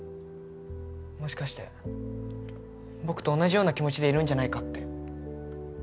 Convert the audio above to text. もしかして僕と同じような気持ちでいるんじゃないかって。